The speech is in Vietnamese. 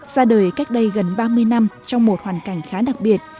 ra đời cách đây gần ba mươi năm trong một hoàn cảnh khá đặc biệt